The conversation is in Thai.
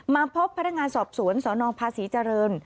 มาพบพนักงานสอบสวนสนภาษีเจริญ